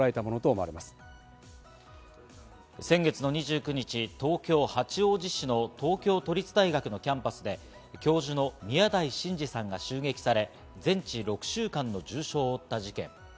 先月２９日、東京・八王子市の東京都立大学のキャンパスで教授の宮台真司さんが襲撃され、全治６週間の重傷を負った事件。